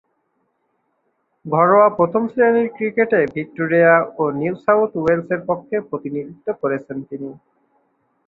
ঘরোয়া প্রথম-শ্রেণীর ক্রিকেটে ভিক্টোরিয়া ও নিউ সাউথ ওয়েলসের পক্ষে প্রতিনিধিত্ব করেছেন তিনি।